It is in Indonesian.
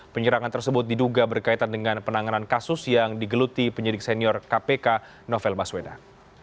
penyerangan tersebut diduga berkaitan dengan penanganan kasus yang digeluti penyidik senior kpk novel baswedan